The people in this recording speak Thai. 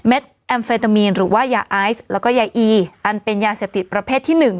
แอมเฟตามีนหรือว่ายาไอซ์แล้วก็ยาอีอันเป็นยาเสพติดประเภทที่๑